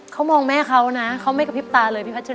เขามองแม่เขานะเขาไม่กระพริบตาเลยพี่พัชริ